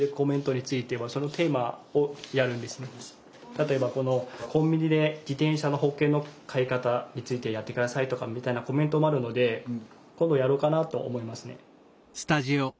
例えばこの「コンビニで自転車の保険の買い方についてやって下さい」とかみたいなコメントもあるので今度やろうかなと思いますね。